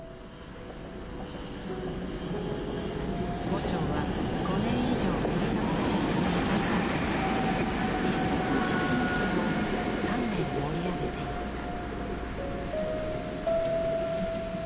牛腸は５年以上撮りためた写真を再構成し一冊の写真集を丹念に織り上げていった。